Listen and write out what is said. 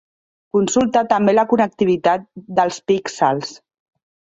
Consulta també la connectivitat dels píxels.